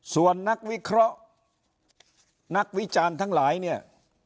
ส่วนนักวิเคราะห์นักวิจารณ์ทั้งหลายเนี่ย